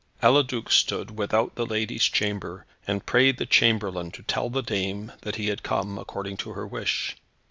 Eliduc stood without the lady's chamber, and prayed the chamberlain to tell the dame that he had come, according to her wish.